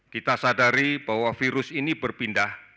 kita sadari bahwa virus ini berpindah